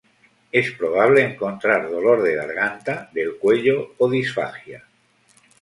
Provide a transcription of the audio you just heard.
Es probable encontrar dolor de garganta, del cuello o disfagia.